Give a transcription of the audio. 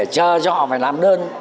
chờ cho họ phải làm đơn